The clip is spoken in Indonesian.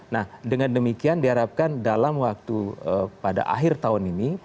nah dengan demikian diharapkan dalam waktu pada akhir tahun ini